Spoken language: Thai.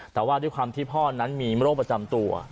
แต่ว่าด้วยความที่พ่อนั้นมีโรคประจำตัว